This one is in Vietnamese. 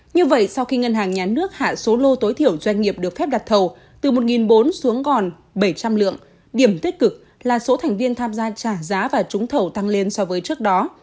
như vậy sau khi ngân hàng nhà nước hạ số lô tối thiểu doanh nghiệp được phép đặt thầu từ một bốn xuống còn bảy trăm linh lượng điểm tích cực là số thành viên tham gia trả giá và trúng thầu tăng lên so với trước đó